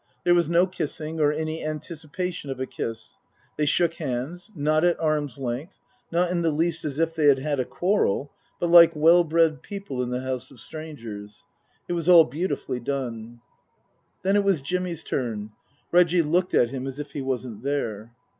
There was no kissing or any anticipation of a kiss ; they shook hands, not at arm's length, not in the least as if they had had a quarrel, but like well bred people in the house of strangers. It was all beautifully done. Then it was Jimmy's turn. Reggie looked at him as if he wasn't there.